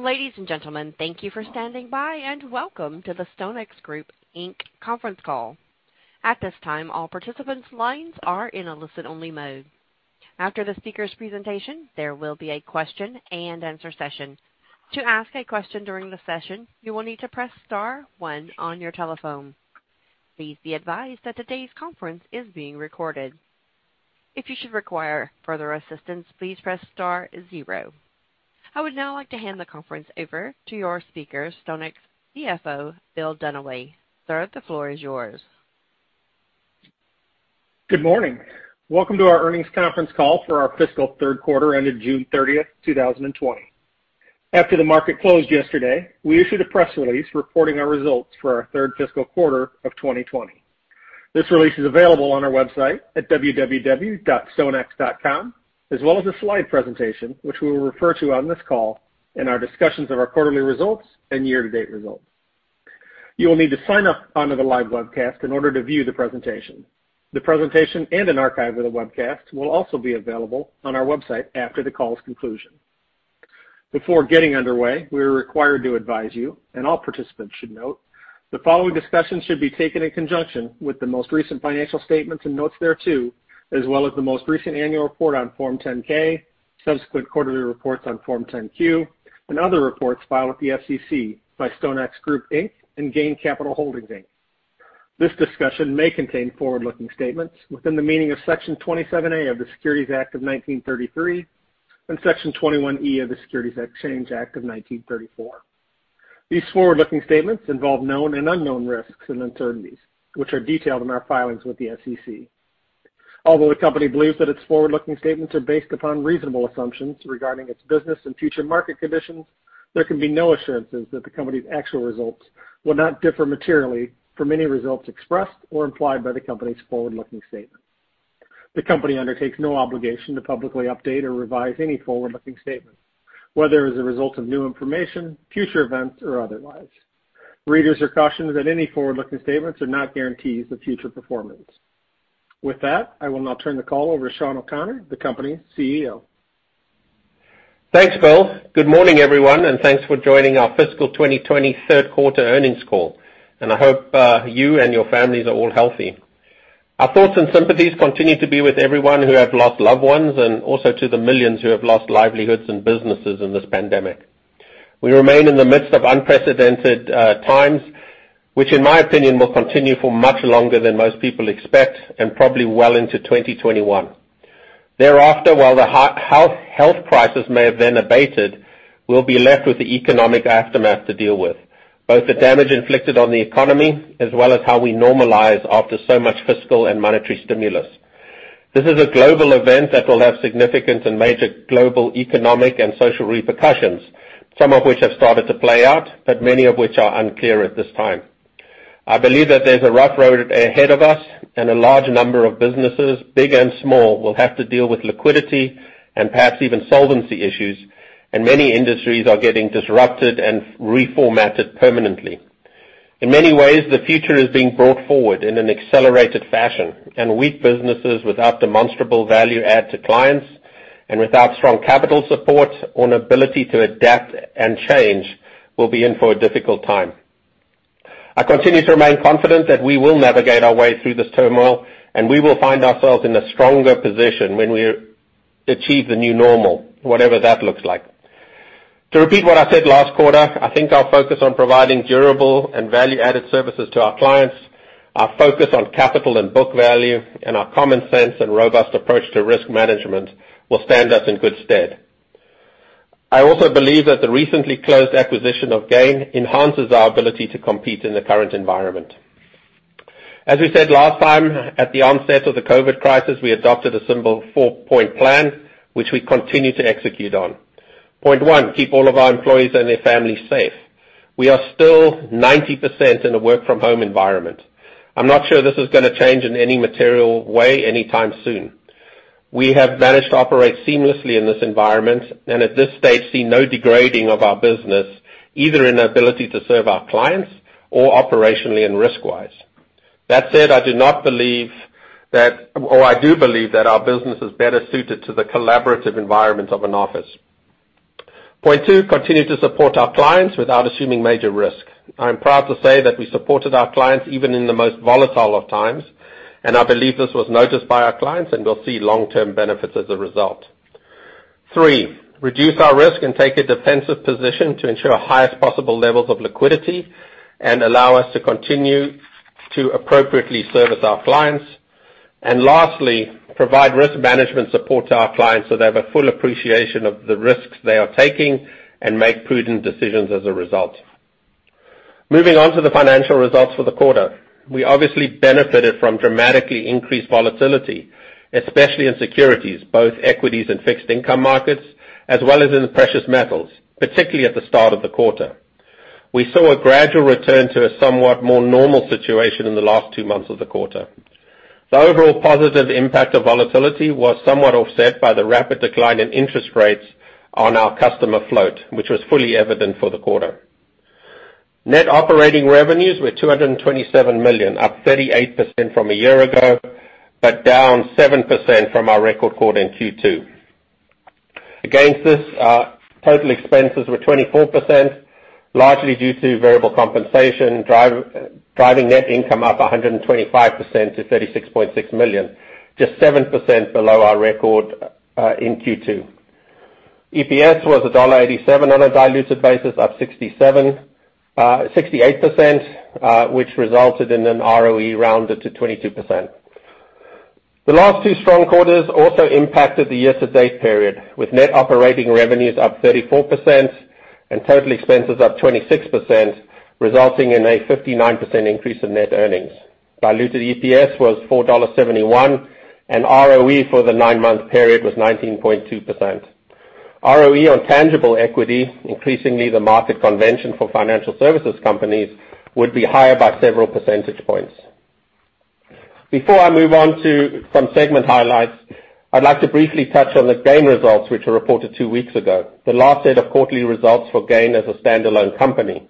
Ladies and gentlemen, thank you for standing by, and welcome to the StoneX Group Inc. conference call. At this time, all participants' lines are in a listen-only mode. After the speaker's presentation, there will be a question-and-answer session. To ask a question during the session, you will need to press star one on your telephone. Please be advised that today's conference is being recorded. If you should require further assistance, please press star zero. I would now like to hand the conference over to your speaker, StoneX CFO, Bill Dunaway. Sir, the floor is yours. Good morning. Welcome to our earnings conference call for our fiscal third quarter ended June 30th, 2020. After the market closed yesterday, we issued a press release reporting our results for our third fiscal quarter of 2020. This release is available on our website at www.stonex.com, as well as a slide presentation, which we will refer to on this call in our discussions of our quarterly results and year-to-date results. You will need to sign up onto the live webcast in order to view the presentation. The presentation and an archive of the webcast will also be available on our website after the call's conclusion. Before getting underway, we are required to advise you, and all participants should note, the following discussion should be taken in conjunction with the most recent financial statements and notes thereto, as well as the most recent annual report on Form 10-K, subsequent quarterly reports on Form 10-Q, and other reports filed with the SEC by StoneX Group Inc. and GAIN Capital Holdings, Inc. This discussion may contain forward-looking statements within the meaning of Section 27A of the Securities Act of 1933 and Section 21E of the Securities Exchange Act of 1934. These forward-looking statements involve known and unknown risks and uncertainties, which are detailed in our filings with the SEC. Although the company believes that its forward-looking statements are based upon reasonable assumptions regarding its business and future market conditions, there can be no assurances that the company's actual results will not differ materially from any results expressed or implied by the company's forward-looking statements. The company undertakes no obligation to publicly update or revise any forward-looking statements, whether as a result of new information, future events, or otherwise. Readers are cautioned that any forward-looking statements are not guarantees of future performance. With that, I will now turn the call over to Sean O'Connor, the company's CEO. Thanks, Bill. Good morning, everyone, and thanks for joining our fiscal 2020 third quarter earnings call. I hope you and your families are all healthy. Our thoughts and sympathies continue to be with everyone who have lost loved ones and also to the millions who have lost livelihoods and businesses in this pandemic. We remain in the midst of unprecedented times, which in my opinion will continue for much longer than most people expect and probably well into 2021. Thereafter, while the health crisis may have then abated, we'll be left with the economic aftermath to deal with. Both the damage inflicted on the economy as well as how we normalize after so much fiscal and monetary stimulus. This is a global event that will have significant and major global economic and social repercussions, some of which have started to play out, but many of which are unclear at this time. I believe that there's a rough road ahead of us and a large number of businesses, big and small, will have to deal with liquidity and perhaps even solvency issues, and many industries are getting disrupted and reformatted permanently. In many ways, the future is being brought forward in an accelerated fashion, and weak businesses without demonstrable value add to clients and without strong capital support or an ability to adapt and change will be in for a difficult time. I continue to remain confident that we will navigate our way through this turmoil, and we will find ourselves in a stronger position when we achieve the new normal, whatever that looks like. To repeat what I said last quarter, I think our focus on providing durable and value-added services to our clients, our focus on capital and book value, and our common sense and robust approach to risk management will stand us in good stead. I also believe that the recently closed acquisition of GAIN enhances our ability to compete in the current environment. As we said last time at the onset of the COVID crisis, we adopted a simple four-point plan, which we continue to execute on. Point one, keep all of our employees and their families safe. We are still 90% in a work-from-home environment. I'm not sure this is gonna change in any material way anytime soon. We have managed to operate seamlessly in this environment and at this stage see no degrading of our business, either in our ability to serve our clients or operationally and risk-wise. That said, I do believe that our business is better suited to the collaborative environment of an office. Point two, continue to support our clients without assuming major risk. I'm proud to say that we supported our clients even in the most volatile of times, and I believe this was noticed by our clients, and we'll see long-term benefits as a result. Three, reduce our risk and take a defensive position to ensure highest possible levels of liquidity and allow us to continue to appropriately service our clients. Lastly, provide risk management support to our clients so they have a full appreciation of the risks they are taking and make prudent decisions as a result. Moving on to the financial results for the quarter. We obviously benefited from dramatically increased volatility, especially in securities, both equities and fixed income markets, as well as in precious metals, particularly at the start of the quarter. We saw a gradual return to a somewhat more normal situation in the last two months of the quarter. The overall positive impact of volatility was somewhat offset by the rapid decline in interest rates on our customer float, which was fully evident for the quarter. Net operating revenues were $227 million, up 38% from a year ago, but down 7% from our record quarter in Q2. Against this, total expenses were 24%, largely due to variable compensation, driving net income up 125% to $36.6 million, just 7% below our record in Q2. EPS was $1.87 on a diluted basis, up 68%, which resulted in an ROE rounded to 22%. The last two strong quarters also impacted the year-to-date period, with net operating revenues up 34% and total expenses up 26%, resulting in a 59% increase in net earnings. Diluted EPS was $4.71, and ROE for the nine-month period was 19.2%. ROE on tangible equity, increasingly the market convention for financial services companies, would be higher by several percentage points. Before I move on to from segment highlights, I'd like to briefly touch on the GAIN results, which were reported two weeks ago, the last set of quarterly results for GAIN as a standalone company.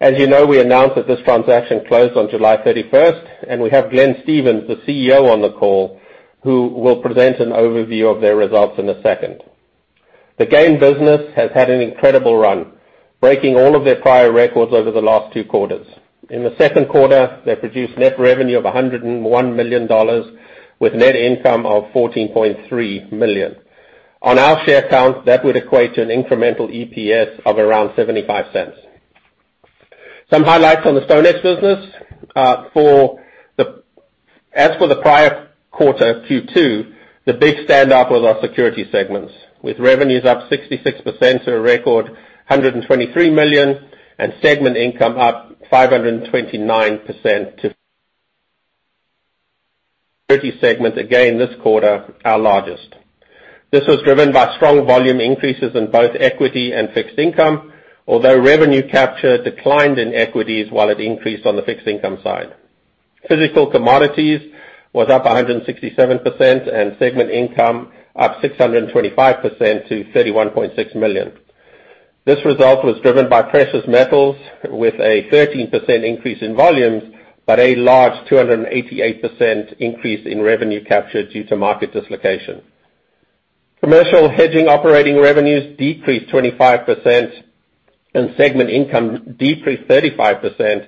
As you know, we announced that this transaction closed on July 31st, and we have Glenn Stevens, the CEO, on the call, who will present an overview of their results in a second. The GAIN business has had an incredible run, breaking all of their prior records over the last two quarters. In the second quarter, they produced net revenue of $101 million, with net income of $14.3 million. On our share count, that would equate to an incremental EPS of around $0.75. Some highlights on the StoneX business. As for the prior quarter, Q2, the big stand up was our security segments, with revenues up 66% to a record $123 million, and segment income up 529% to segment, again this quarter, our largest. This was driven by strong volume increases in both equity and fixed income, although revenue capture declined in equities while it increased on the fixed income side. Physical commodities was up 167%, and segment income up 625% to $31.6 million. This result was driven by precious metals with a 13% increase in volumes, but a large 288% increase in revenue capture due to market dislocation. Commercial hedging operating revenues decreased 25%, and segment income decreased 35%,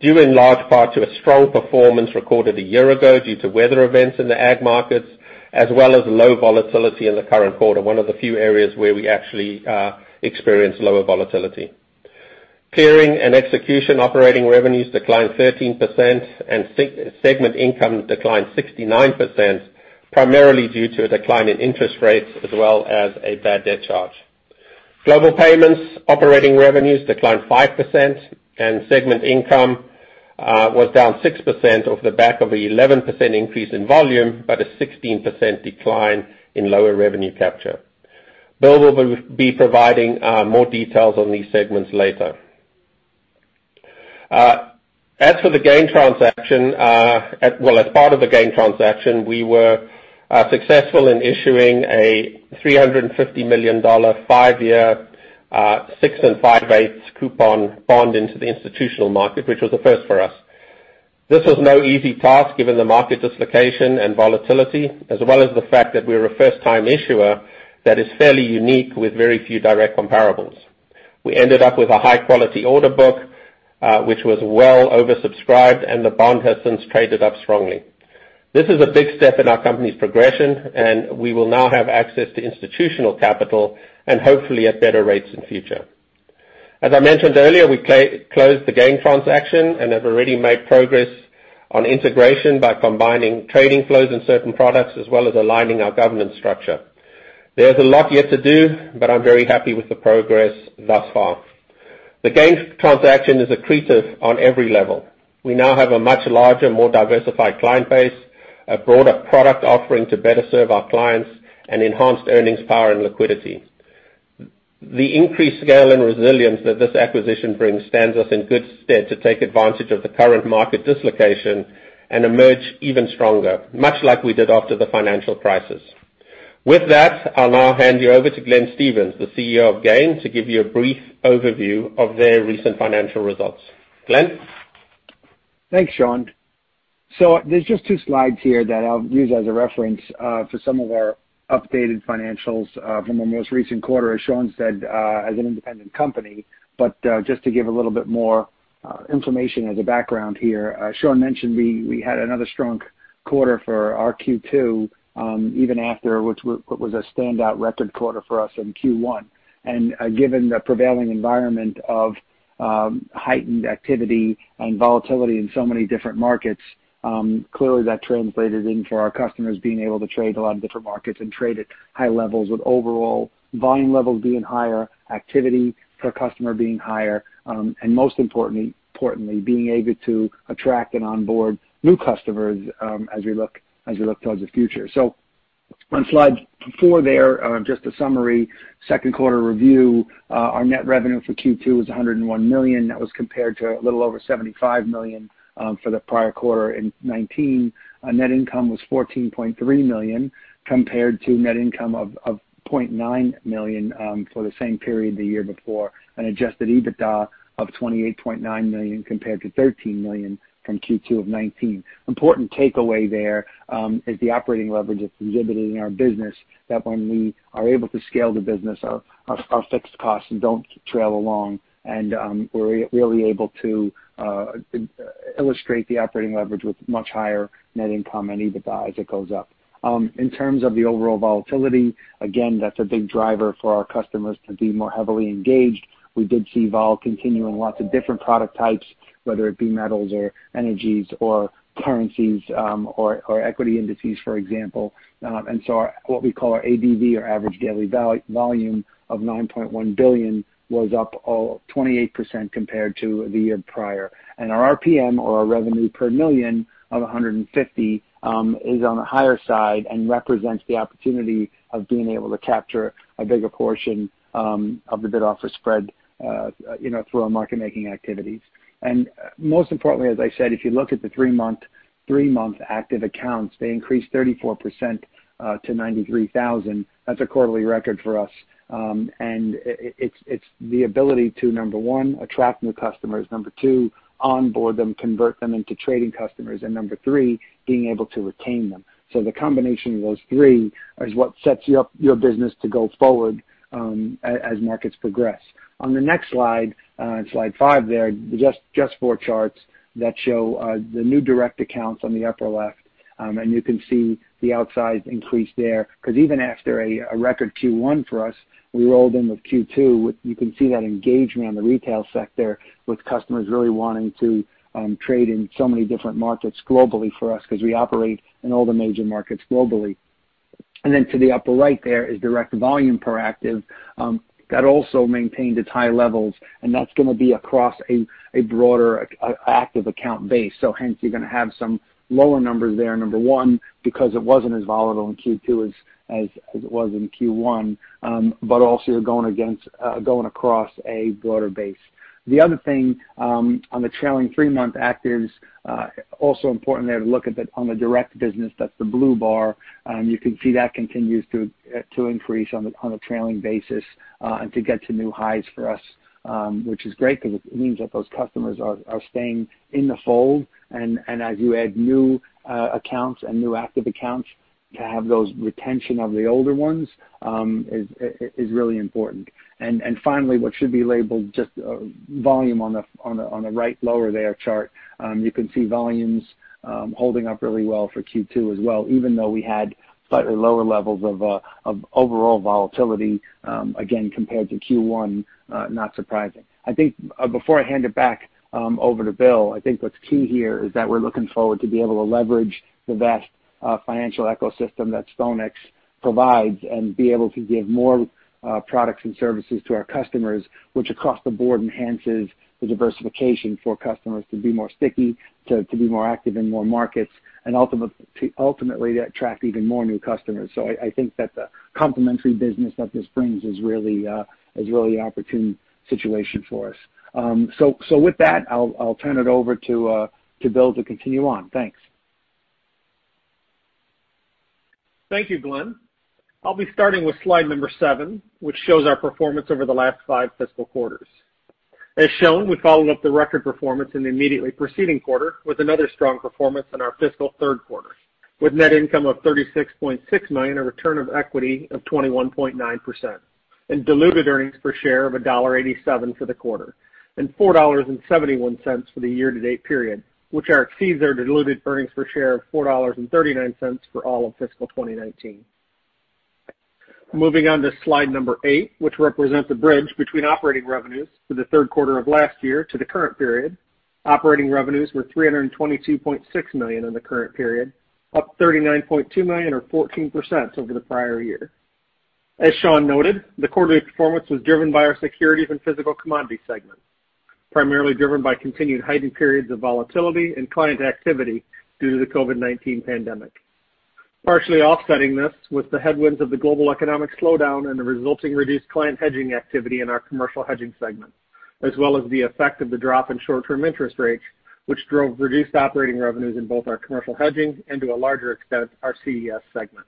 due in large part to a strong performance recorded a year ago due to weather events in the ag markets, as well as low volatility in the current quarter, one of the few areas where we actually experienced lower volatility. Clearing and execution operating revenues declined 13%, and segment income declined 69%, primarily due to a decline in interest rates, as well as a bad debt charge. Global payments, operating revenues declined 5%, and segment income was down 6% off the back of an 11% increase in volume, but a 16% decline in lower revenue capture. Bill will be providing more details on these segments later. As for the GAIN transaction, well, as part of the GAIN transaction, we were successful in issuing a $350 million, five-year, 6.625% coupon bond into the institutional market, which was a first for us. This was no easy task given the market dislocation and volatility, as well as the fact that we're a first-time issuer that is fairly unique with very few direct comparables. We ended up with a high-quality order book, which was well oversubscribed, and the bond has since traded up strongly. This is a big step in our company's progression, and we will now have access to institutional capital, and hopefully at better rates in future. As I mentioned earlier, we closed the GAIN transaction and have already made progress on integration by combining trading flows in certain products, as well as aligning our governance structure. There's a lot yet to do, but I'm very happy with the progress thus far. The GAIN transaction is accretive on every level. We now have a much larger, more diversified client base, a broader product offering to better serve our clients, and enhanced earnings power and liquidity. The increased scale and resilience that this acquisition brings stands us in good stead to take advantage of the current market dislocation and emerge even stronger, much like we did after the financial crisis. With that, I'll now hand you over to Glenn Stevens, the CEO of GAIN, to give you a brief overview of their recent financial results. Glenn? Thanks, Sean. There's just two slides here that I'll use as a reference for some of our updated financials from our most recent quarter, as Sean said, as an independent company. Just to give a little bit more information as a background here, Sean mentioned we had another strong quarter for our Q2, even after what was a standout record quarter for us in Q1. Given the prevailing environment of heightened activity and volatility in so many different markets, clearly that translated into our customers being able to trade a lot of different markets and trade at high levels with overall volume levels being higher, activity per customer being higher, and most importantly, being able to attract and onboard new customers as we look towards the future. On slide four there, just a summary, second quarter review. Our net revenue for Q2 was $101 million. That was compared to a little over $75 million for the prior quarter in 2019. Net income was $14.3 million, compared to net income of $0.9 million for the same period the year before, an adjusted EBITDA of $28.9 million compared to $13 million from Q2 of 2019. Important takeaway there, is the operating leverage that's exhibited in our business, that when we are able to scale the business, our fixed costs don't trail along and we're really able to illustrate the operating leverage with much higher net income and EBITDA as it goes up. In terms of the overall volatility, again, that's a big driver for our customers to be more heavily engaged. We did see vol continue in lots of different product types, whether it be metals or energies or currencies or equity indices, for example. What we call our ADV, or average daily volume, of $9.1 billion was up 28% compared to the year prior. Our RPM, or our revenue per million, of $150 per million is on the higher side and represents the opportunity of being able to capture a bigger portion of the bid-offer spread through our market-making activities. Most importantly, as I said, if you look at the three-month active accounts, they increased 34% to 93,000. That's a quarterly record for us. It's the ability to, number one, attract new customers. Number two, onboard them, convert them into trading customers. Number three, being able to retain them. The combination of those three is what sets you up your business to go forward as markets progress. On the next slide five there, just four charts that show the new direct accounts on the upper left. You can see the outsize increase there, because even after a record Q1 for us, we rolled in with Q2. You can see that engagement on the retail sector with customers really wanting to trade in so many different markets globally for us because we operate in all the major markets globally. To the upper right there is direct volume per active. That also maintained its high levels, and that's going to be across a broader active account base. Hence you're going to have some lower numbers there, number one, because it wasn't as volatile in Q2 as it was in Q1, but also you're going across a broader base. The other thing, on the trailing three-month actives, also important there to look at on the direct business, that's the blue bar. You can see that continues to increase on a trailing basis and to get to new highs for us, which is great because it means that those customers are staying in the fold. As you add new accounts and new active accounts, to have those retention of the older ones is really important. Finally, what should be labeled just volume on the right lower there chart. You can see volumes holding up really well for Q2 as well, even though we had slightly lower levels of overall volatility, again, compared to Q1. Not surprising. I think before I hand it back over to Bill, I think what's key here is that we're looking forward to be able to leverage the vast financial ecosystem that StoneX provides and be able to give more products and services to our customers, which across the board enhances the diversification for customers to be more sticky, to be more active in more markets, and ultimately to attract even more new customers. I think that the complementary business that this brings is really an opportune situation for us. With that, I'll turn it over to Bill to continue on. Thanks. Thank you, Glenn. I'll be starting with slide number seven, which shows our performance over the last five fiscal quarters. As shown, we followed up the record performance in the immediately preceding quarter with another strong performance in our fiscal third quarter, with net income of $36.6 million, a return of equity of 21.9%, and diluted earnings per share of $1.87 for the quarter, and $4.71 for the year-to-date period, which exceeds our diluted earnings per share of $4.39 for all of fiscal 2019. Moving on to slide number eight, which represents a bridge between operating revenues for the third quarter of last year to the current period. Operating revenues were $322.6 million in the current period, up $39.2 million or 14% over the prior year. As Sean noted, the quarterly performance was driven by our securities and physical commodity segment, primarily driven by continued heightened periods of volatility and client activity due to the COVID-19 pandemic. Partially offsetting this was the headwinds of the global economic slowdown and the resulting reduced client hedging activity in our commercial hedging segment, as well as the effect of the drop in short-term interest rates, which drove reduced operating revenues in both our commercial hedging and, to a larger extent, our CES segment.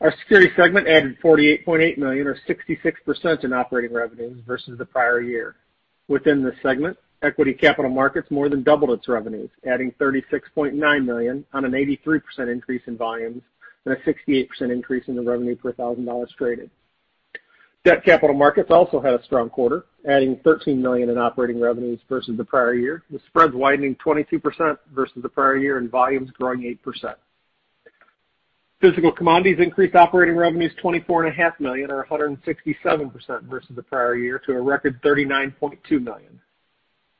Our security segment added $48.8 million or 66% in operating revenues versus the prior year. Within this segment, equity capital markets more than doubled its revenues, adding $36.9 million on an 83% increase in volumes and a 68% increase in the revenue per $1,000 traded. Debt capital markets also had a strong quarter, adding $13 million in operating revenues versus the prior year, with spreads widening 22% versus the prior year and volumes growing 8%. Physical commodities increased operating revenues $24.5 million or 167% versus the prior year to a record $39.2 million.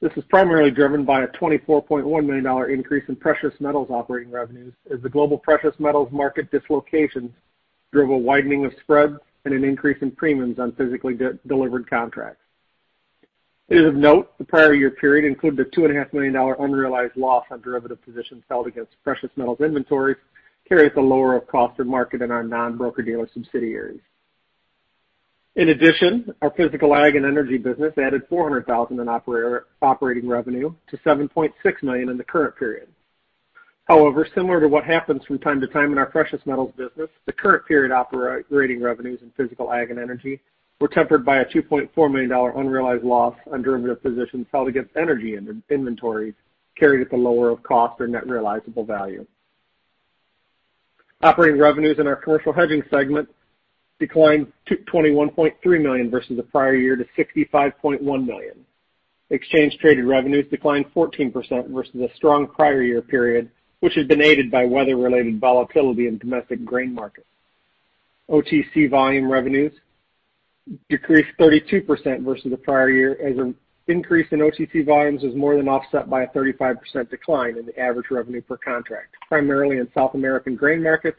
This was primarily driven by a $24.1 million increase in precious metals operating revenues as the global precious metals market dislocations drove a widening of spreads and an increase in premiums on physically delivered contracts. It is of note, the prior year period included a $2.5 million unrealized loss on derivative positions held against precious metals inventories, carried at the lower of cost or market in our non-broker-dealer subsidiaries. In addition, our physical ag and energy business added $400,000 in operating revenue to $7.6 million in the current period. However, similar to what happens from time to time in our precious metals business, the current period operating revenues in physical ag and energy were tempered by a $2.4 million unrealized loss on derivative positions held against energy inventories, carried at the lower of cost or net realizable value. Operating revenues in our commercial hedging segment declined to $21.3 million versus the prior year to $65.1 million. Exchange traded revenues declined 14% versus the strong prior year period, which had been aided by weather-related volatility in domestic grain markets. OTC volume revenues decreased 32% versus the prior year, as an increase in OTC volumes was more than offset by a 35% decline in the average revenue per contract, primarily in South American grain markets,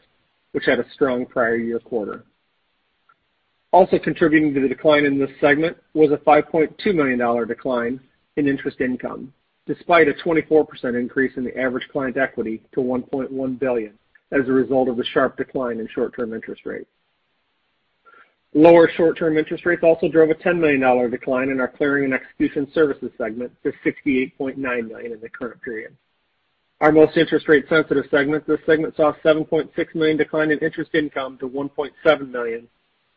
which had a strong prior year quarter. Also contributing to the decline in this segment was a $5.2 million decline in interest income, despite a 24% increase in the average client equity to $1.1 billion as a result of the sharp decline in short-term interest rates. Lower short-term interest rates also drove a $10 million decline in our Clearing and Execution Services segment to $68.9 million in the current period. Our most interest rate sensitive segment, this segment, saw a $7.6 million decline in interest income to $1.7 million,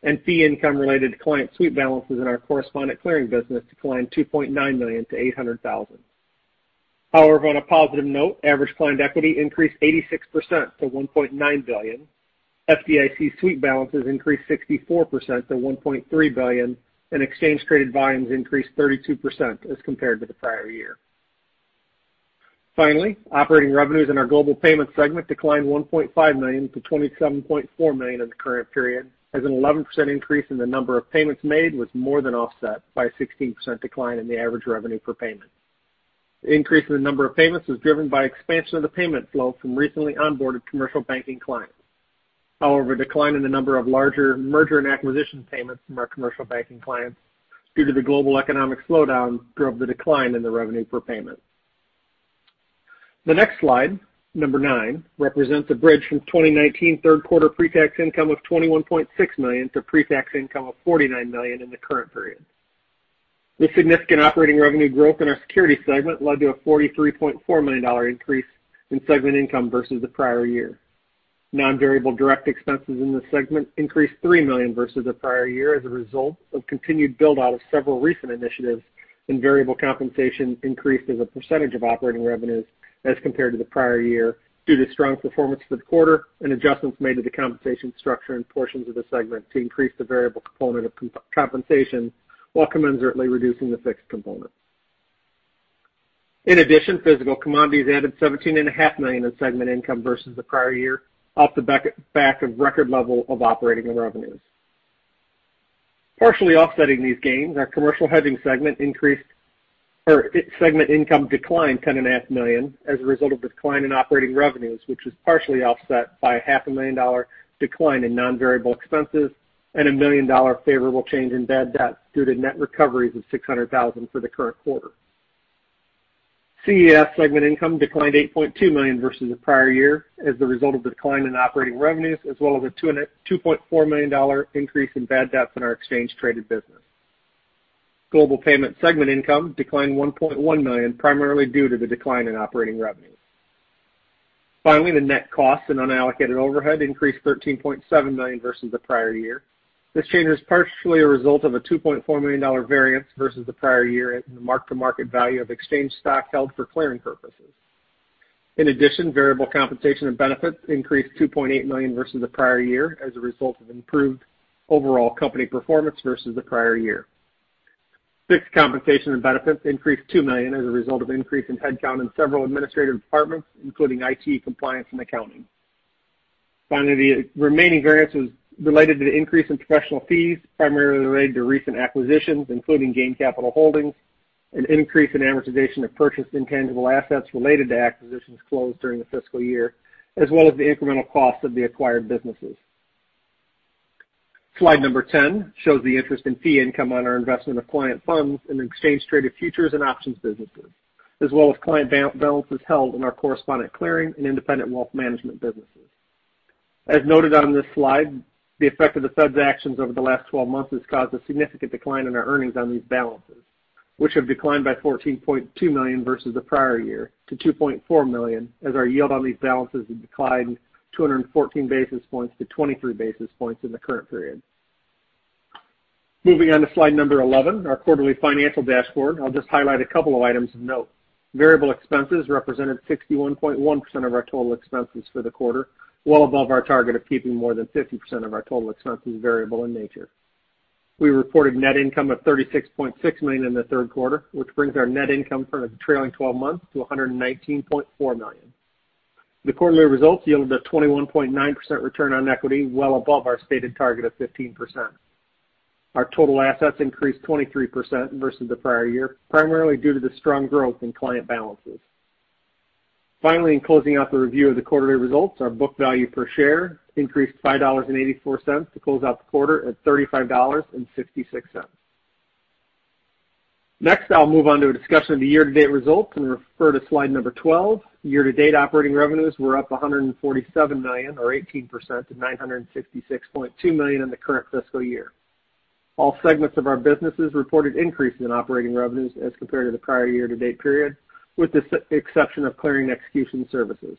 and fee income related to client sweep balances in our correspondent clearing business declined $2.9 million to $800,000. On a positive note, average client equity increased 86% to $1.9 billion. FDIC sweep balances increased 64% to $1.3 billion, and exchange traded volumes increased 32% as compared to the prior year. Finally, operating revenues in our Global Payments segment declined $1.5 million to $27.4 million in the current period, as an 11% increase in the number of payments made was more than offset by a 16% decline in the average revenue per payment. The increase in the number of payments was driven by expansion of the payment flow from recently onboarded commercial banking clients. Decline in the number of larger merger and acquisition payments from our commercial banking clients due to the global economic slowdown drove the decline in the revenue per payment. The next slide, number nine, represents a bridge from 2019 third quarter pre-tax income of $21.6 million to pre-tax income of $49 million in the current period. The significant operating revenue growth in our Securities segment led to a $43.4 million increase in segment income versus the prior year. Non-variable direct expenses in this segment increased $3 million versus the prior year as a result of continued build-out of several recent initiatives, and variable compensation increased as a percentage of operating revenues as compared to the prior year due to strong performance for the quarter and adjustments made to the compensation structure in portions of the segment to increase the variable component of compensation while commensurately reducing the fixed component. In addition, physical commodities added $17.5 million in segment income versus the prior year off the back of record level of operating revenues. Partially offsetting these gains, our commercial hedging segment income declined $10.5 million as a result of the decline in operating revenues, which was partially offset by $500,000 decline in non-variable expenses and $1 million favorable change in bad debt due to net recoveries of $600,000 for the current quarter. CES segment income declined $8.2 million versus the prior year as the result of the decline in operating revenues, as well as a $2.4 million increase in bad debt in our exchange traded business. Global Payments segment income declined $1.1 million, primarily due to the decline in operating revenue. Finally, the net cost and unallocated overhead increased $13.7 million versus the prior year. This change was partially a result of a $2.4 million variance versus the prior year in the mark-to-market value of exchange stock held for clearing purposes. In addition, variable compensation and benefits increased $2.8 million versus the prior year as a result of improved overall company performance versus the prior year. Fixed compensation and benefits increased $2 million as a result of increase in headcount in several administrative departments, including IT, compliance, and accounting. Finally, the remaining variance was related to the increase in professional fees, primarily related to recent acquisitions, including GAIN Capital Holdings, an increase in amortization of purchased intangible assets related to acquisitions closed during the fiscal year, as well as the incremental cost of the acquired businesses. Slide number 10 shows the interest in fee income on our investment of client funds in exchange traded futures and options businesses, as well as client balances held in our correspondent clearing and independent wealth management businesses. As noted on this slide, the effect of the Fed's actions over the last 12 months has caused a significant decline in our earnings on these balances, which have declined by $14.2 million versus the prior year to $2.4 million, as our yield on these balances had declined 214 basis points to 23 basis points in the current period. Moving on to slide number 11, our quarterly financial dashboard. I'll just highlight a couple of items of note. Variable expenses represented 61.1% of our total expenses for the quarter, well above our target of keeping more than 50% of our total expenses variable in nature. We reported net income of $36.6 million in the third quarter, which brings our net income for the trailing 12 months to $119.4 million. The quarterly results yielded a 21.9% return on equity, well above our stated target of 15%. Our total assets increased 23% versus the prior year, primarily due to the strong growth in client balances. In closing out the review of the quarterly results, our book value per share increased $5.84 to close out the quarter at $35.66. I'll move on to a discussion of the year-to-date results, and refer to slide number 12. Year-to-date operating revenues were up $147 million or 18% to $966.2 million in the current fiscal year. All segments of our businesses reported increases in operating revenues as compared to the prior year-to-date period, with the exception of clearing execution services.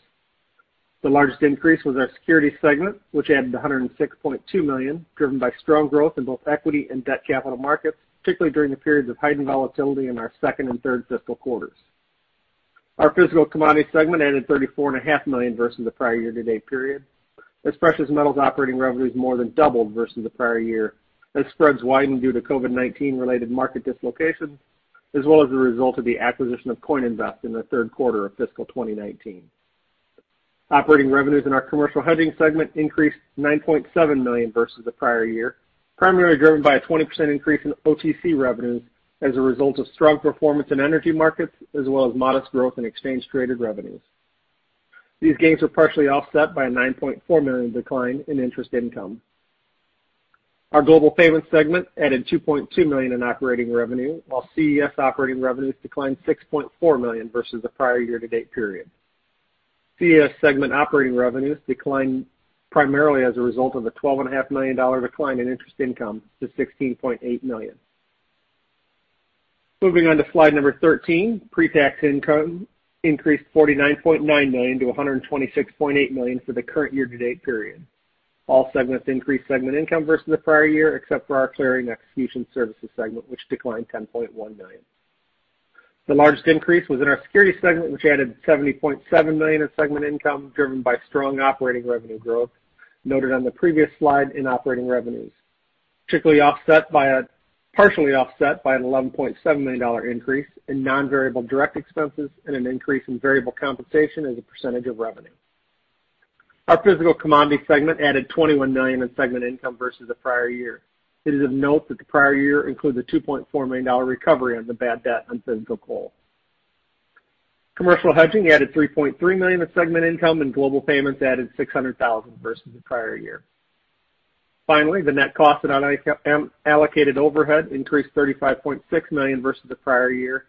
The largest increase was our security segment, which added $106.2 million, driven by strong growth in both equity and debt capital markets, particularly during the periods of heightened volatility in our second and third fiscal quarters. Our physical commodity segment added $34.5 million versus the prior year-to-date period. As precious metals operating revenues more than doubled versus the prior year, as spreads widened due to COVID-19 related market dislocation, as well as the result of the acquisition of CoinInvest in the third quarter of fiscal 2019. Operating revenues in our commercial hedging segment increased $9.7 million versus the prior year, primarily driven by a 20% increase in OTC revenues as a result of strong performance in energy markets, as well as modest growth in exchange traded revenues. These gains were partially offset by a $9.4 million decline in interest income. Our Global Payments segment added $2.2 million in operating revenue, while CES operating revenues declined $6.4 million versus the prior year-to-date period. CES segment operating revenues declined primarily as a result of a $12.5 million decline in interest income to $16.8 million. Moving on to slide number 13. Pre-tax income increased $49.9 million to $126.8 million for the current year-to-date period. All segments increased segment income versus the prior year, except for our clearing execution services segment, which declined $10.1 million. The largest increase was in our security segment, which added $70.7 million in segment income, driven by strong operating revenue growth noted on the previous slide in operating revenues. Partially offset by an $11.7 million increase in non-variable direct expenses and an increase in variable compensation as a percentage of revenue. Our physical commodity segment added $21 million in segment income versus the prior year. It is of note that the prior year includes a $2.4 million recovery on the bad debt on physical coal. Commercial hedging added $3.3 million in segment income and global payments added $600,000 versus the prior year. Finally, the net cost and unallocated overhead increased $35.6 million versus the prior year.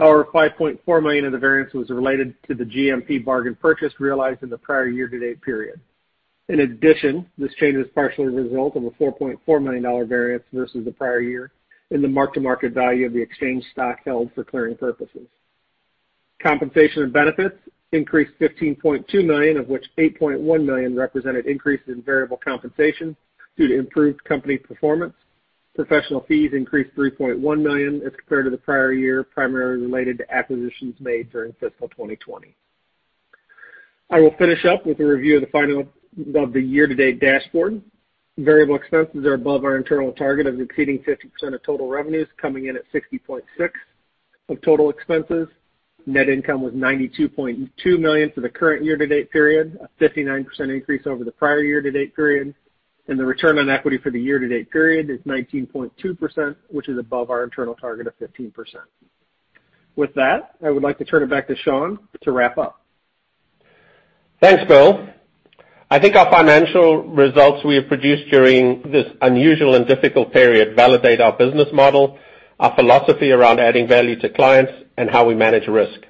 $5.4 million of the variance was related to the GMP bargain purchase realized in the prior year-to-date period. In addition, this change is partially a result of a $4.4 million variance versus the prior year in the mark-to-market value of the exchange stock held for clearing purposes. Compensation and benefits increased $15.2 million, of which $8.1 million represented increases in variable compensation due to improved company performance. Professional fees increased $3.1 million as compared to the prior year, primarily related to acquisitions made during fiscal 2020. I will finish up with a review of the year-to-date dashboard. Variable expenses are above our internal target of exceeding 50% of total expenses, coming in at 60.6% of total expenses. Net income was $92.2 million for the current year-to-date period, a 59% increase over the prior year-to-date period, and the return on equity for the year-to-date period is 19.2%, which is above our internal target of 15%. With that, I would like to turn it back to Sean to wrap up. Thanks, Bill. I think our financial results we have produced during this unusual and difficult period validate our business model, our philosophy around adding value to clients, and how we manage risk.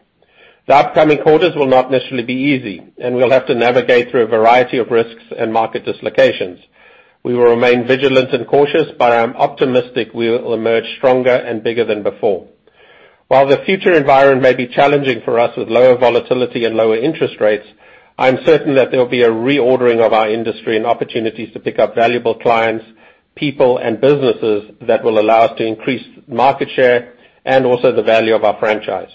The upcoming quarters will not necessarily be easy, and we'll have to navigate through a variety of risks and market dislocations. We will remain vigilant and cautious, but I am optimistic we will emerge stronger and bigger than before. While the future environment may be challenging for us with lower volatility and lower interest rates, I'm certain that there will be a reordering of our industry and opportunities to pick up valuable clients, people, and businesses that will allow us to increase market share and also the value of our franchise.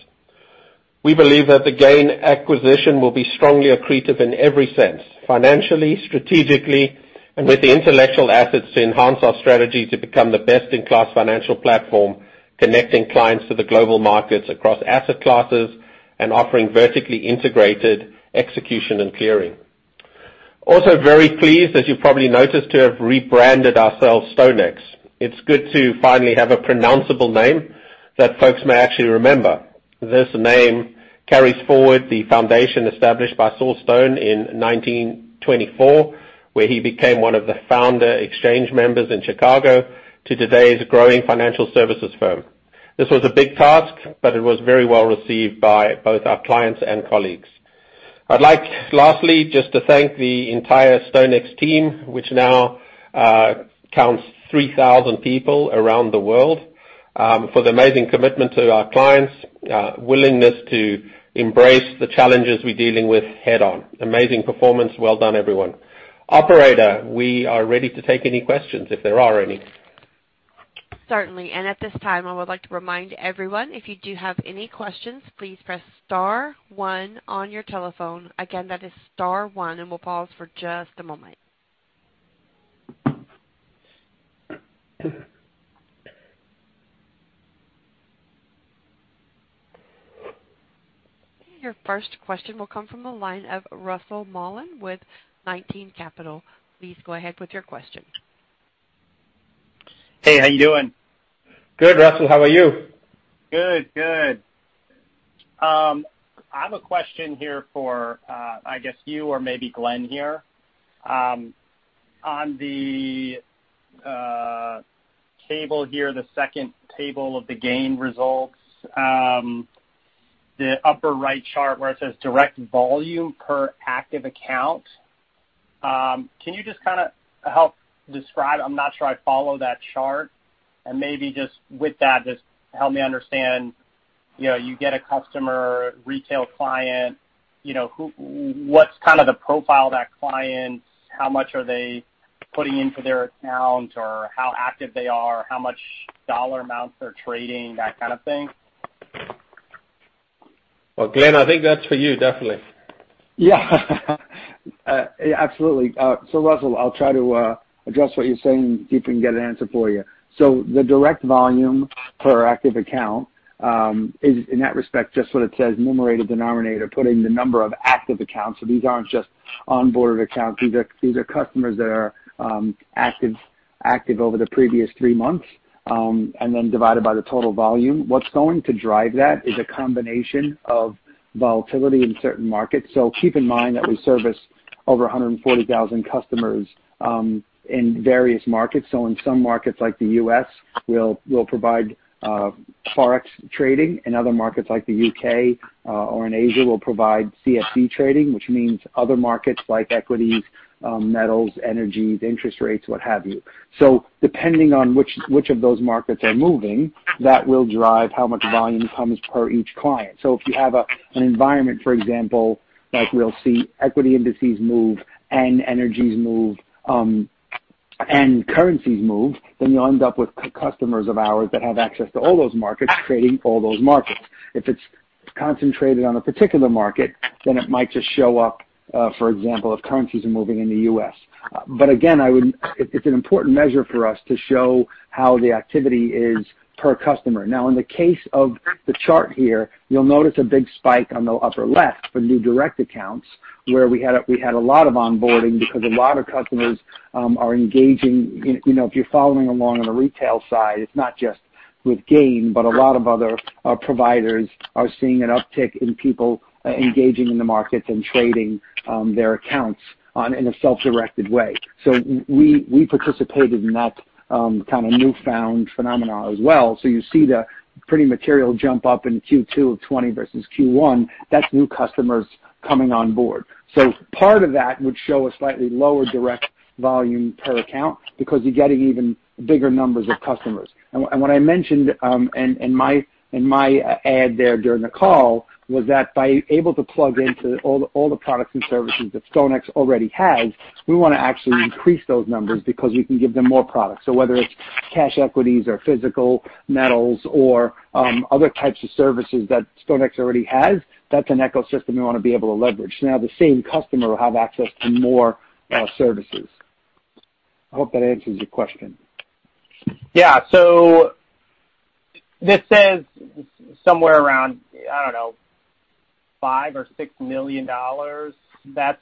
We believe that the GAIN acquisition will be strongly accretive in every sense, financially, strategically, and with the intellectual assets to enhance our strategy to become the best-in-class financial platform, connecting clients to the global markets across asset classes and offering vertically integrated execution and clearing. Also very pleased, as you've probably noticed, to have rebranded ourselves StoneX. It's good to finally have a pronounceable name that folks may actually remember. This name carries forward the foundation established by Saul Stone in 1924, where he became one of the founder exchange members in Chicago, to today's growing financial services firm. This was a big task, but it was very well-received by both our clients and colleagues. I'd like, lastly, just to thank the entire StoneX team, which now counts 3,000 people around the world, for the amazing commitment to our clients, willingness to embrace the challenges we're dealing with head-on. Amazing performance. Well done, everyone. Operator, we are ready to take any questions if there are any. Certainly, at this time, I would like to remind everyone if you do have any questions, please press star one on your telephone. Again, that is star one. We'll pause for just a moment. Your first question will come from the line of Russell Mollen with Nine Ten Capital. Please go ahead with your question. Hey, how you doing? Good, Russell. How are you? Good. I have a question here for, I guess you or maybe Glenn here. On the table here, the second table of the GAIN results, the upper right chart where it says direct volume per active account, can you just kind of help describe I'm not sure I follow that chart. Maybe just with that, just help me understand, you get a customer, retail client, what's kind of the profile of that client? How much are they putting into their account, or how active they are, how much dollar amounts they're trading, that kind of thing. Well, Glenn, I think that's for you definitely. Yeah. Absolutely. Russell, I'll try to address what you're saying and see if we can get an answer for you. The direct volume per active account, is in that respect, just what it says, numerator, denominator, putting the number of active accounts. These aren't just onboarded accounts. These are customers that are active over the previous three months, and then divided by the total volume. What's going to drive that is a combination of volatility in certain markets. Keep in mind that we service over 140,000 customers, in various markets. In some markets like the U.S., we'll provide Forex trading. In other markets like the U.K., or in Asia, we'll provide CFD trading, which means other markets like equities, metals, energies, interest rates, what have you. Depending on which of those markets are moving, that will drive how much volume comes per each client. If you have an environment, for example, like we'll see equity indices move and energies move, and currencies move, then you'll end up with customers of ours that have access to all those markets, trading all those markets. If it's concentrated on a particular market, then it might just show up, for example, if currencies are moving in the U.S. Again, it's an important measure for us to show how the activity is per customer. In the case of the chart here, you'll notice a big spike on the upper left for new direct accounts, where we had a lot of onboarding because a lot of customers are engaging. If you're following along on the retail side, it's not just with GAIN, but a lot of other providers are seeing an uptick in people engaging in the markets and trading their accounts in a self-directed way. We participated in that kind of newfound phenomenon as well. You see the pretty material jump up in Q2 of 2020 versus Q1. That's new customers coming on board. Part of that would show a slightly lower direct volume per account because you're getting even bigger numbers of customers. What I mentioned in my add there during the call was that by able to plug into all the products and services that StoneX already has, we want to actually increase those numbers because we can give them more products. Whether it's cash equities or physical metals or other types of services that StoneX already has, that's an ecosystem we want to be able to leverage. Now the same customer will have access to more services. I hope that answers your question. Yeah. This says somewhere around, I don't know, $5 million or $6 million. That's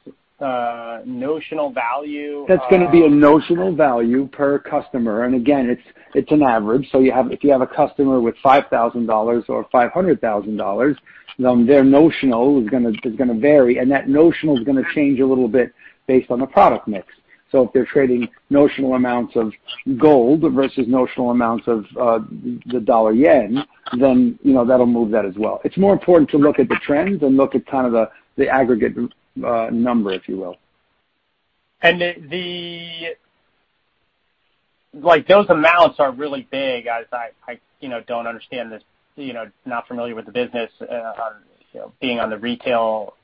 notional value of- That's going to be a notional value per customer. Again, it's an average. If you have a customer with $5,000 or $500,000, then their notional is going to vary, and that notional is going to change a little bit based on the product mix. If they're trading notional amounts of gold versus notional amounts of the dollar/yen, then that'll move that as well. It's more important to look at the trends and look at kind of the aggregate number, if you will. Those amounts are really big. As I don't understand this, not familiar with the business on being on the retail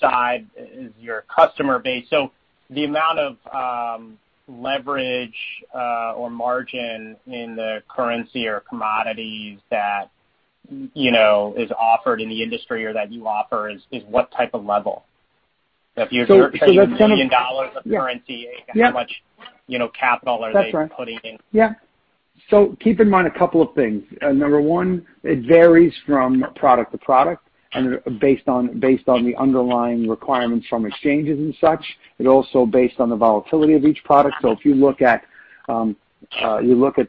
side is your customer base. The amount of leverage, or margin in the currency or commodities that is offered in the industry or that you offer is what type of level? If you're trading $1 million of currency- Yeah. How much capital are they putting in? That's right. Keep in mind a couple of things. Number one, it varies from product to product and based on the underlying requirements from exchanges and such, and also based on the volatility of each product. If you look at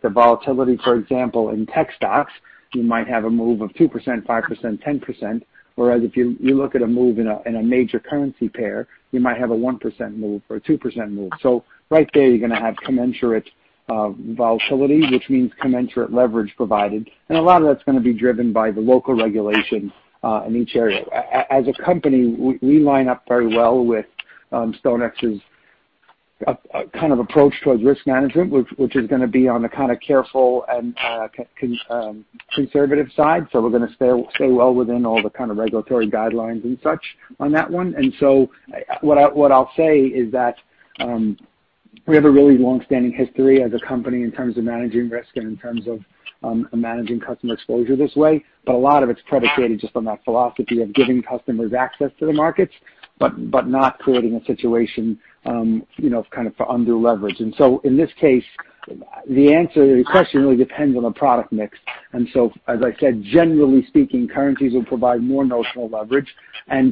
the volatility, for example, in tech stocks, you might have a move of 2%, 5%, 10%. Whereas if you look at a move in a major currency pair, you might have a 1% move or a 2% move. Right there, you're going to have commensurate volatility, which means commensurate leverage provided. A lot of that's going to be driven by the local regulation, in each area. As a company, we line up very well with StoneX's kind of approach towards risk management, which is going to be on the kind of careful and conservative side. We're going to stay well within all the kind of regulatory guidelines and such on that one. What I'll say is that, we have a really long-standing history as a company in terms of managing risk and in terms of managing customer exposure this way. A lot of it's predicated just on that philosophy of giving customers access to the markets, but not creating a situation of undue leverage. In this case, the answer to your question really depends on the product mix. As I said, generally speaking, currencies will provide more notional leverage.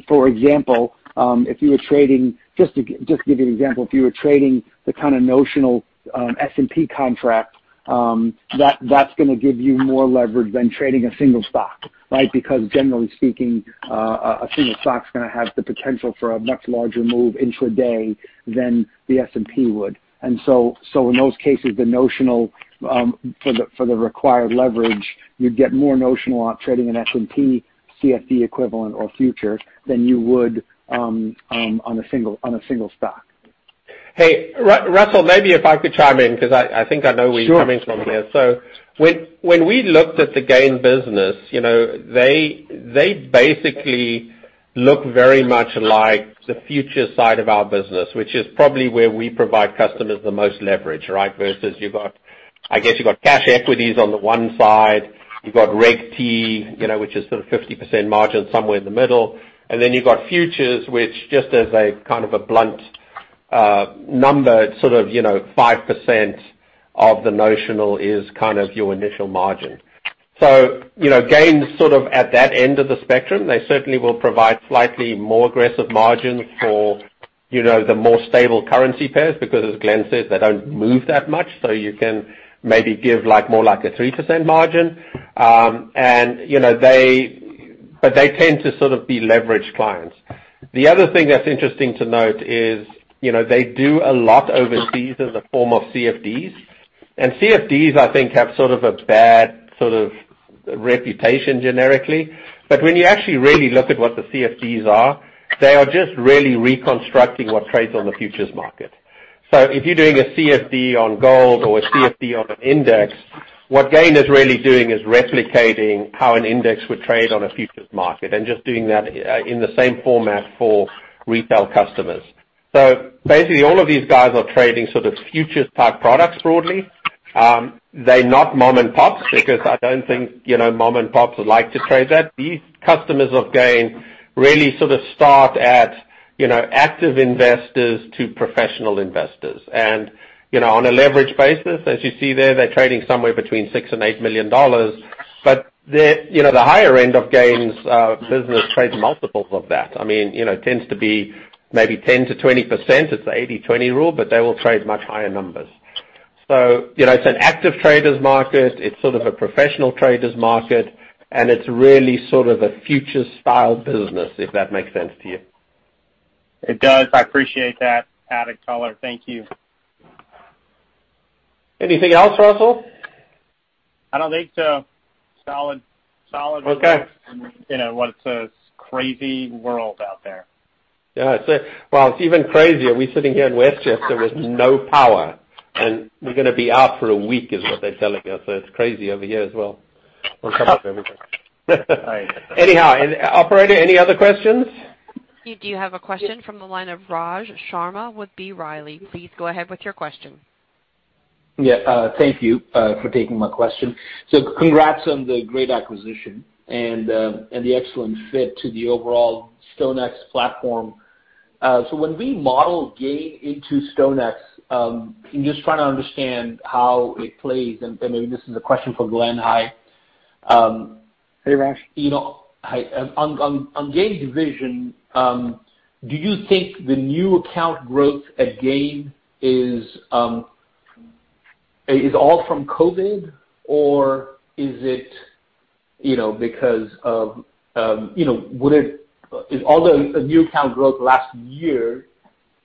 For example, just to give you an example, if you were trading the notional S&P contract, that's going to give you more leverage than trading a single stock. Because generally speaking, a single stock is going to have the potential for a much larger move intraday than the S&P would. In those cases, for the required leverage, you'd get more notional on trading an S&P CFD equivalent or future than you would on a single stock. Hey, Russell, maybe if I could chime in, because I think I know. Sure. You're coming from here. When we looked at the GAIN business, they basically look very much like the future side of our business, which is probably where we provide customers the most leverage. Versus you've got, I guess you've got cash equities on the one side, you've got Reg-T, which is sort of 50% margin somewhere in the middle, and then you've got futures, which just as a kind of a blunt number, it's sort of 5% of the notional is your initial margin. GAIN's sort of at that end of the spectrum. They certainly will provide slightly more aggressive margins for the more stable currency pairs, because as Glenn says, they don't move that much, so you can maybe give more like a 3% margin. They tend to sort of be leveraged clients. The other thing that's interesting to note is, they do a lot overseas in the form of CFDs. CFDs, I think, have sort of a bad reputation generically. When you actually really look at what the CFDs are, they are just really reconstructing what trades on the futures market. If you're doing a CFD on gold or a CFD on an index, what GAIN is really doing is replicating how an index would trade on a futures market and just doing that in the same format for retail customers. Basically, all of these guys are trading futures-type products broadly. They're not mom and pops, because I don't think mom and pops would like to trade that. These customers of GAIN really sort of start at active investors to professional investors. On a leverage basis, as you see there, they're trading somewhere between $6 million-$8 million. The higher end of GAIN's business trades multiples of that. I mean, it tends to be maybe 10%-20%. It's the 80/20 rule, but they will trade much higher numbers. It's an active traders market, it's sort of a professional traders market, and it's really sort of a futures-style business, if that makes sense to you. It does. I appreciate that added color. Thank you. Anything else, Russell? I don't think so. Solid. Okay. Well, it's a crazy world out there. Yeah. Well, it's even crazier. We're sitting here in Westchester with no power, and we're going to be out for a week is what they're telling us. It's crazy over here as well. On top of everything. Right. Operator, any other questions? You do have a question from the line of Raj Sharma with B. Riley. Please go ahead with your question. Yeah. Thank you for taking my question. Congrats on the great acquisition and the excellent fit to the overall StoneX platform. When we model GAIN into StoneX, I'm just trying to understand how it plays, and maybe this is a question for Glenn. Hi. Hey, Raj. On GAIN division, do you think the new account growth at GAIN is all from COVID, or all the new account growth last year,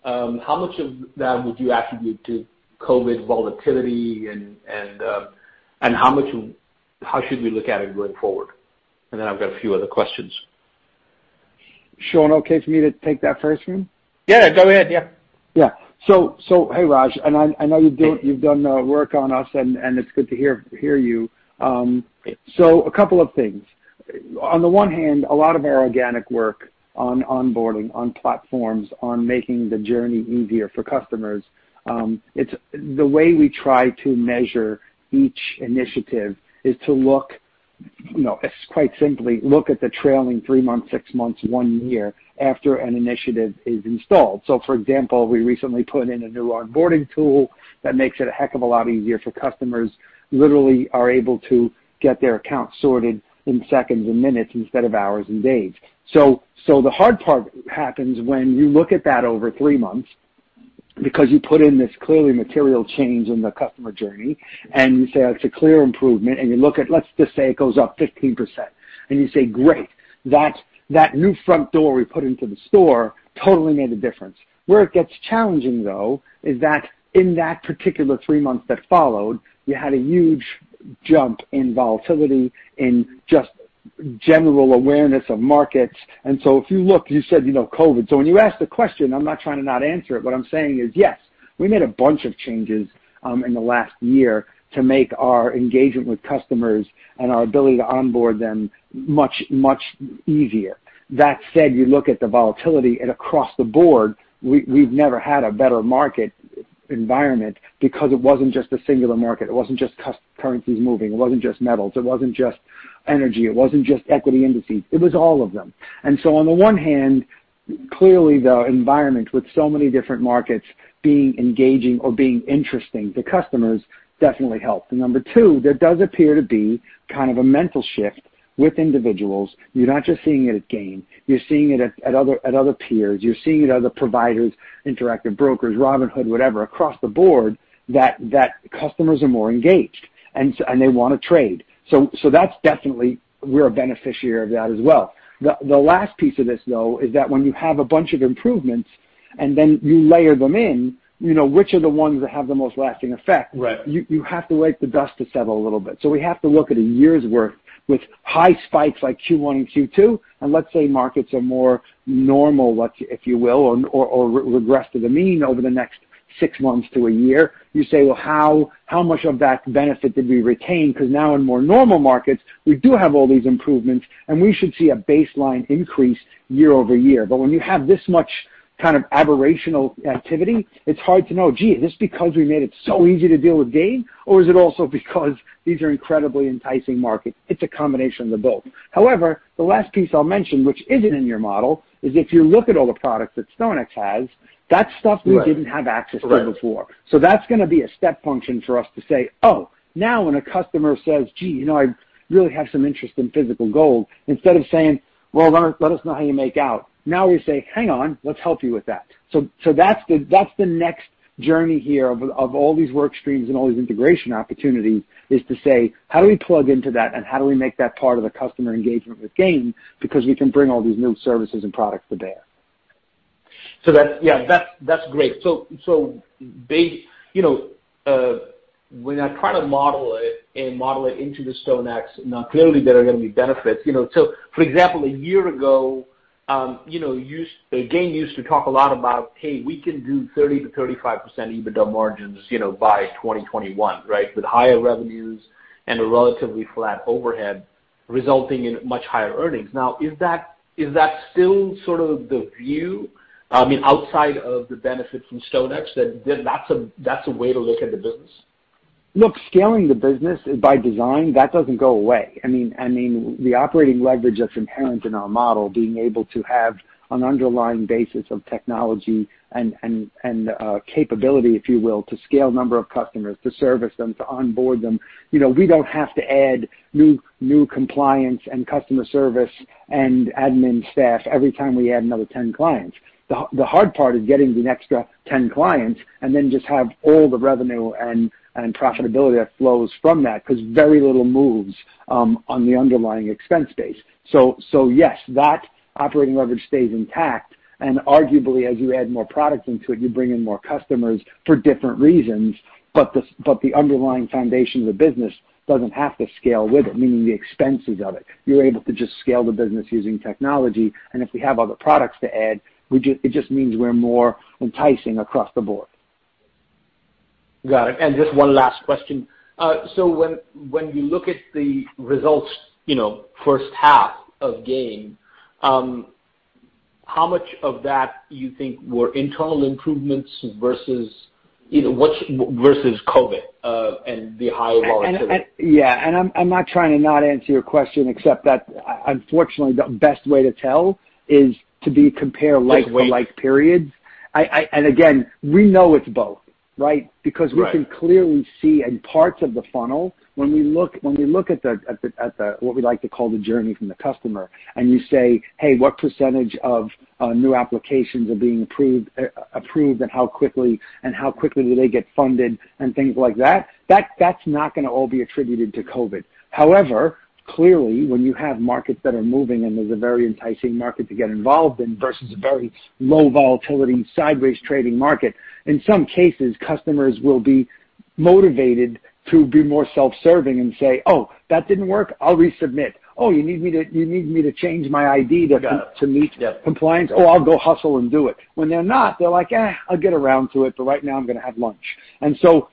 how much of that would you attribute to COVID volatility, and how should we look at it going forward? I've got a few other questions. Sean, okay for me to take that first one? Yeah. Go ahead. Yeah. Yeah. Hey, Raj. I know you've done work on us, and it's good to hear you. A couple of things. On the one hand, a lot of our organic work on onboarding, on platforms, on making the journey easier for customers. The way we try to measure each initiative is to, quite simply, look at the trailing three months, six months, one year, after an initiative is installed. For example, we recently put in a new onboarding tool that makes it a heck of a lot easier for customers, literally are able to get their account sorted in seconds and minutes instead of hours and days. The hard part happens when you look at that over three months, because you put in this clearly material change in the customer journey, and you say that's a clear improvement, and you look at, let's just say it goes up 15%. You say, great, that new front door we put into the store totally made a difference. Where it gets challenging, though, is that in that particular three months that followed, you had a huge jump in volatility, in just general awareness of markets. If you look, you said COVID-19. When you ask the question, I'm not trying to not answer it. What I'm saying is, yes, we made a bunch of changes in the last year to make our engagement with customers and our ability to onboard them much easier. That said, you look at the volatility, across the board, we've never had a better market environment because it wasn't just a singular market, it wasn't just currencies moving, it wasn't just metals, it wasn't just energy, it wasn't just equity indices, it was all of them. On the one hand, clearly the environment with so many different markets being engaging or being interesting to customers definitely helped. Number two, there does appear to be kind of a mental shift with individuals. You're not just seeing it at GAIN. You're seeing it at other peers. You're seeing it at other providers, Interactive Brokers, Robinhood, whatever, across the board, that customers are more engaged, and they want to trade. That's definitely, we're a beneficiary of that as well. The last piece of this, though, is that when you have a bunch of improvements and then you layer them in, which are the ones that have the most lasting effect? Right. You have to wait for the dust to settle a little bit. We have to look at a year's worth with high spikes like Q1 and Q2, and let's say markets are more normal, if you will, or regress to the mean over the next six months to a year. You say, Well, how much of that benefit did we retain? Because now in more normal markets, we do have all these improvements, and we should see a baseline increase year-over-year. But when you have this much kind of aberrational activity, it's hard to know, gee, is this because we made it so easy to deal with GAIN, or is it also because these are incredibly enticing markets? It's a combination of the both. However, the last piece I'll mention, which isn't in your model, is if you look at all the products that StoneX has, that's stuff we didn't have access to before. Right. That's going to be a step function for us to say, oh, now when a customer says, Gee, I really have some interest in physical gold, instead of saying, Well, let us know how you make out, now we say, Hang on, let's help you with that. That's the next journey here of all these work streams and all these integration opportunities, is to say, How do we plug into that, and how do we make that part of the customer engagement with GAIN, because we can bring all these new services and products to bear? That, yeah, that's great. When I try to model it and model it into the StoneX, now clearly there are going to be benefits. For example, a year ago, GAIN used to talk a lot about, Hey, we can do 30%-35% EBITDA margins by 2021, right? With higher revenues and a relatively flat overhead resulting in much higher earnings. Now, is that still sort of the view, I mean, outside of the benefit from StoneX, that that's a way to look at the business? Scaling the business by design, that doesn't go away. I mean, the operating leverage that's inherent in our model, being able to have an underlying basis of technology and capability, if you will, to scale number of customers, to service them, to onboard them. We don't have to add new compliance and customer service and admin staff every time we add another 10 clients. The hard part is getting the extra 10 clients just have all the revenue and profitability that flows from that, because very little moves on the underlying expense base. Yes, that operating leverage stays intact, and arguably, as you add more products into it, you bring in more customers for different reasons, but the underlying foundation of the business doesn't have to scale with it, meaning the expenses of it. You're able to just scale the business using technology, and if we have other products to add, it just means we're more enticing across the board. Got it. Just one last question. w\When you look at the results first half of GAIN, how much of that you think were internal improvements versus COVID, and the higher volatility? Yeah. I'm not trying to not answer your question, except that unfortunately, the best way to tell is to compare like-with-like periods. Again, we know it's both, right? Right. Because we can clearly see in parts of the funnel when we look at the, what we like to call the journey from the customer, and you say, Hey, what percentage of new applications are being approved, and how quickly do they get funded? and things like that's not going to all be attributed to COVID-19. However, clearly, when you have markets that are moving and there's a very enticing market to get involved in versus a very low volatility, sideways trading market, in some cases, customers will be motivated to be more self-serving and say, Oh, that didn't work. I'll resubmit. Oh, you need me to change my ID to meet compliance? Oh, I'll go hustle and do it. When they're not, they're like, Eh, I'll get around to it, but right now I'm going to have lunch.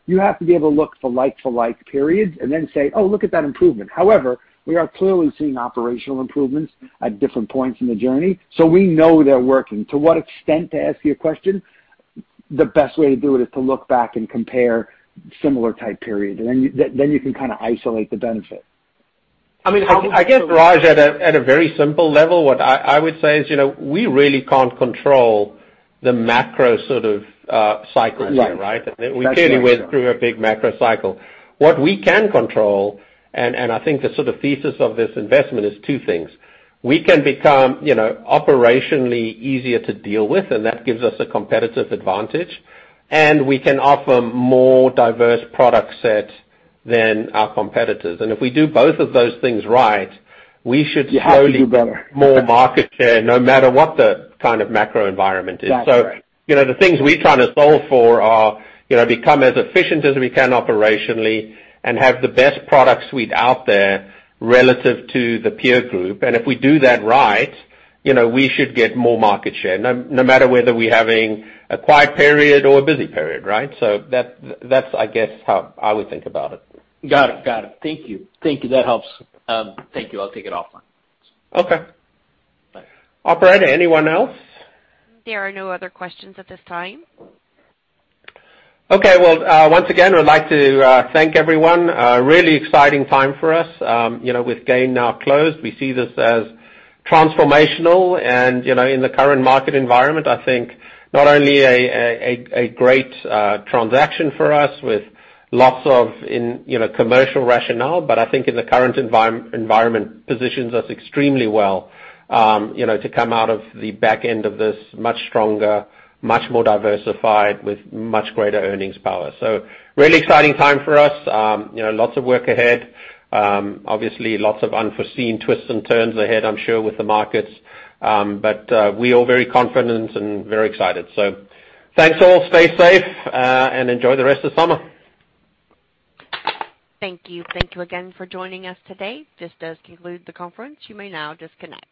You have to be able to look for like-to-like periods and then say, Oh, look at that improvement. However, we are clearly seeing operational improvements at different points in the journey. We know they're working. To what extent to ask you a question, the best way to do it is to look back and compare similar type periods, and then you can kind of isolate the benefit. I mean, I guess, Raj, at a very simple level, what I would say is we really can't control the macro sort of cycle here, right? Right. That's right. We clearly went through a big macro cycle. What we can control, and I think the sort of thesis of this investment is two things. We can become operationally easier to deal with, and that gives us a competitive advantage, and we can offer more diverse product set than our competitors. If we do both of those things right, we should slowly- You have to do better. more market share no matter what the kind of macro environment is. That's right. The things we try to solve for are become as efficient as we can operationally and have the best product suite out there relative to the peer group. If we do that right, we should get more market share no matter whether we're having a quiet period or a busy period, right? That's, I guess, how I would think about it. Got it. Thank you. That helps. Thank you. I'll take it offline. Okay. Bye. Operator, anyone else? There are no other questions at this time. Okay. Well, once again, we'd like to thank everyone. A really exciting time for us. With GAIN Capital now closed, we see this as transformational, and in the current market environment, I think not only a great transaction for us with lots of commercial rationale, but I think in the current environment, positions us extremely well to come out of the back end of this much stronger, much more diversified, with much greater earnings power. Really exciting time for us. Lots of work ahead. Obviously, lots of unforeseen twists and turns ahead, I'm sure, with the markets. We are very confident and very excited. Thanks all, stay safe, and enjoy the rest of the summer. Thank you. Thank you again for joining us today. This does conclude the conference. You may now disconnect.